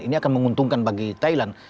ini akan menguntungkan bagi thailand